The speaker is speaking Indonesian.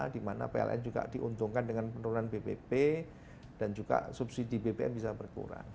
di mana pln juga diuntungkan dengan penurunan bpp dan juga subsidi bbm bisa berkurang